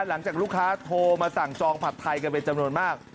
หลังจากลูกค้าโทรมาสั่งจองผัดไทยกันเป็นจำนวนมาก